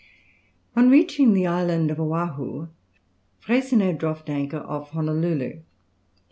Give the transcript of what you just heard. On reaching the island of Waihou, Freycinet dropped anchor off Honolulu.